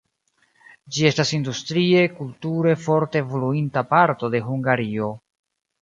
Ĝi estas industrie, kulture forte evoluinta parto de Hungario.